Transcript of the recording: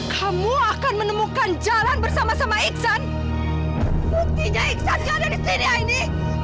kamu akan menemukan jalan bersama sama iksan putihnya ikhlasnya ada di sini aini